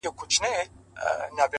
ه تا ويل اور نه پرېږدو تنور نه پرېږدو!